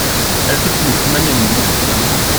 Elle se trouvait plus magnanime que son amant.